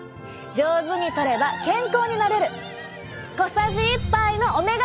上手にとれば健康になれる。